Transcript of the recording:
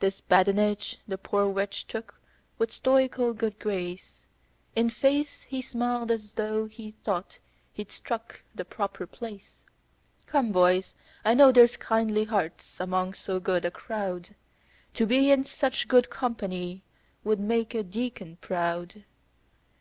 This badinage the poor wretch took with stoical good grace; In face, he smiled as tho' he thought he'd struck the proper place. "Come, boys, I know there's kindly hearts among so good a crowd To be in such good company would make a deacon proud.